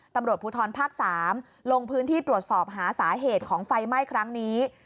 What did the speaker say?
ตำรวจภูทรภาค๓ลงพื้นที่ตรวจสอบหาสาเหตุของไฟไหม้ครั้งนี้